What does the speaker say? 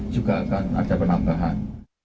juga akan ada penambahan